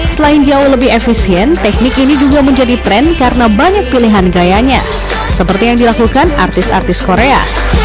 selain jauh lebih efisien teknik ini juga menjadi tren karena banyak pilihan gayanya seperti yang dilakukan artis artis korea